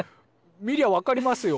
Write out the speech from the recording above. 見りゃわかりますよ。